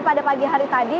pada pagi hari tadi